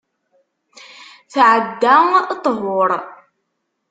Tɛedda ṭhur.